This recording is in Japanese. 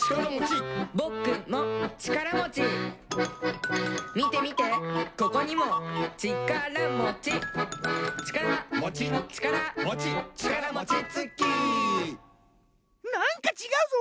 「ぼくもちからもち」「みてみてここにもちからもち」「ちから」「もち」「ちから」「もち」「ちからもちつき」なんかちがうぞ！